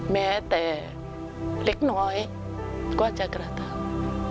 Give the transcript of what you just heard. แม้แต่เล็กน้อยก็จะกระทำ